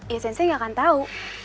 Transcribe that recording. ya sensei gak akan tau